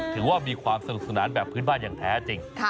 ถือว่ามีความสนุกสนานแบบพื้นบ้านอย่างแท้จริง